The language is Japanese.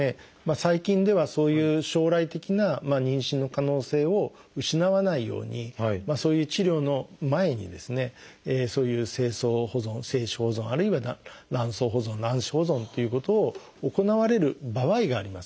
最近ではそういう将来的な妊娠の可能性を失わないようにそういう治療の前にですねそういう精巣保存精子保存あるいは卵巣保存卵子保存ということを行われる場合があります。